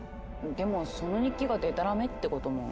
でもその日記がでたらめってことも。